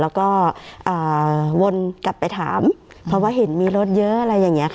แล้วก็วนกลับไปถามเพราะว่าเห็นมีรถเยอะอะไรอย่างนี้ค่ะ